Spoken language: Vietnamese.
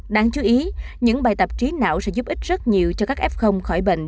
đáng chú ý những bài tập trí não sẽ giúp ích rất nhiều cho các f khỏi bệnh